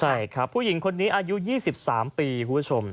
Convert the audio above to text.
ใช่ครับผู้หญิงคนนี้อายุ๒๓ปีคุณผู้ชม